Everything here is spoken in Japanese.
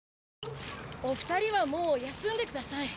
お二人はもう休んでください。